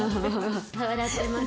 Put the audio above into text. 笑ってます。